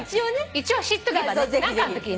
一応知っとけばね何かのときに。